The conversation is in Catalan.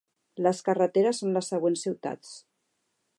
Les carreteres són les següents ciutats.